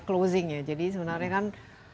closingnya jadi sebenarnya kan